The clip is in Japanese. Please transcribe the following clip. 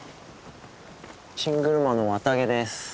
チングルマの綿毛です。